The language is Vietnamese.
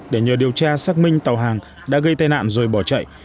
để nhờ điều tra xác minh tàu hàng đã gây tai nạn rồi bỏ chạy